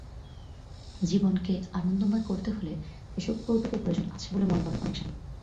জীবনকে আনন্দময় করতে হলে এসব কৌতুকের প্রয়োজন আছে বলে মনে করেন অনেক স্বামী।